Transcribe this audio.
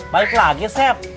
balik lagi sep